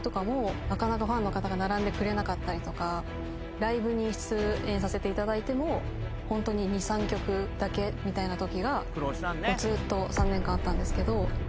ライブに出演させていただいてもホントに２３曲だけみたいなときがずっと３年間あったんですけど。